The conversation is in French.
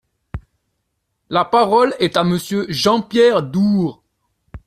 La parole est à Monsieur Jean-Pierre Door.